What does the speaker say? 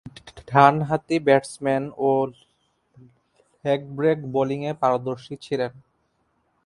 ডানহাতি ব্যাটসম্যান ও leg break বোলিংয়ে পারদর্শী ছিলেন।